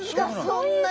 そんなに！